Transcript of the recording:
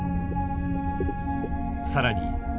更に。